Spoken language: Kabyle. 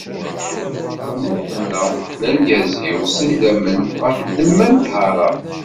Feṭṭuma tenna: D argaz-iw s idammen ɣef ddemma n ṭṭhara.